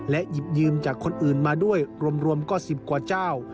หยิบยืมจากคนอื่นมาด้วยรวมก็๑๐กว่าเจ้า